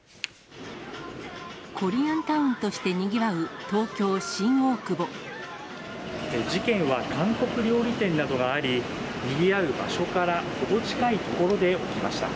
コリアンタウンとしてにぎわ事件は韓国料理店などがあり、にぎわう場所から程近い所で起きました。